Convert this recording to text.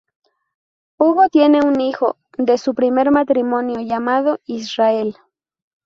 Hugo tiene un hijo de su primer matrimonio llamado Israel.